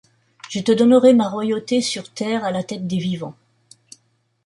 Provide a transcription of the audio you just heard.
Je te donnerai ma royauté sur terre à la tête des vivants.